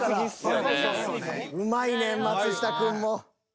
うまいねん松下くんも。